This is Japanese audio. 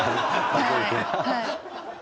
はい。